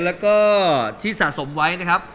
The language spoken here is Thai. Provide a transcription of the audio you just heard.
แล้วก็ที่สะสมไว้นะครับ